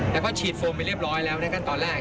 แล้วก็ฉีดโฟมไปเรียบร้อยแล้วในขั้นตอนแรก